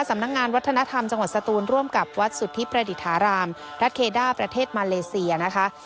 สำนักงานวัฒนธรรมจังหวัดสตูนร่วมกับวัดสุทธิประดิษฐารามรัฐเคด้าประเทศมาเลเซียนะคะ